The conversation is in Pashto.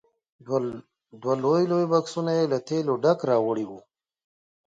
دوه لوی لوی بکسونه یې له تېلو ډک راوړي وو.